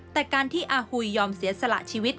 แต่การที่อาหุยยอมเสียสละชีวิต